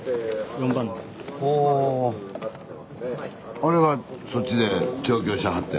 あれがそっちで調教しはって？